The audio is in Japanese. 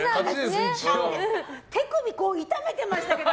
手首痛めてましたけど。